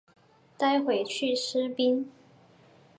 待会去吃冰